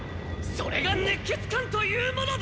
それがねっ血漢というものです！